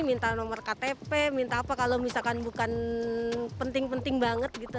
minta nomor ktp minta apa kalau misalkan bukan penting penting banget gitu